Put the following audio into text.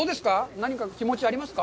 何か気持ちありますか？